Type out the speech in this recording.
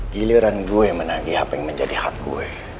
giliran aku menanggih apa yang menjadi hakku